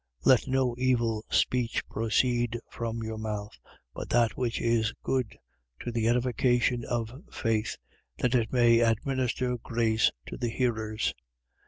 4:29. Let no evil speech proceed from your mouth: but that which is good, to the edification of faith: that it may administer grace to the hearers.